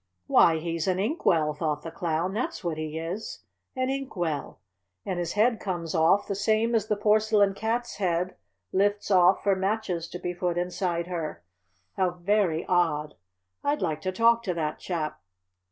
"Why, he's an ink well!" thought the Clown. "That's what he is! An ink well! And his head comes off the same as the Porcelain Cat's head lifts off for matches to be put inside her. How very odd! I'd like to talk to that chap."